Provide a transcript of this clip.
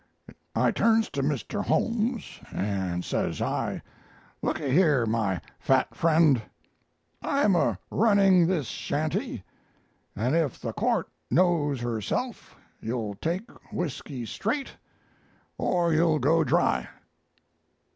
I turns to Mr. Holmes and says I, 'Looky here, my fat friend, I'm a running this shanty, and if the court knows herself you'll take whisky straight or you'll go dry.'